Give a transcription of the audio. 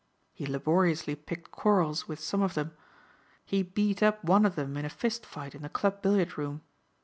He laboriously picked quarrels with some of them. He beat up one of them in a fist fight in the club billiard room.